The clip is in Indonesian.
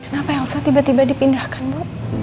kenapa elsa tiba tiba dipindahkan bu